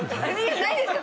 ないですか？